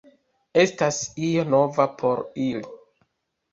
Estas io nova por ili.